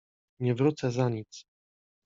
Nie wrócę za nic!